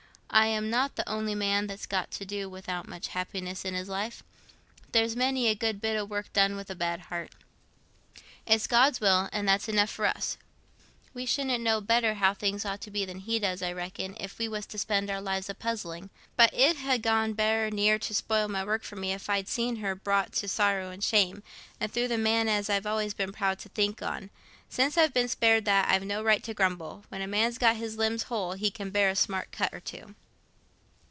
I am not th' only man that's got to do without much happiness i' this life. There's many a good bit o' work done with a bad heart. It's God's will, and that's enough for us: we shouldn't know better how things ought to be than He does, I reckon, if we was to spend our lives i' puzzling. But it 'ud ha' gone near to spoil my work for me, if I'd seen her brought to sorrow and shame, and through the man as I've always been proud to think on. Since I've been spared that, I've no right to grumble. When a man's got his limbs whole, he can bear a smart cut or two."